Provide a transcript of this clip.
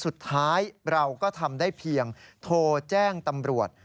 สุดท้ายเราก็ทำได้เพียงโทรแจ้งตำรวจ